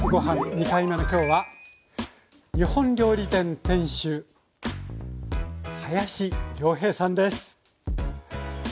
２回目の今日は日本料理店店主林亮平さんです。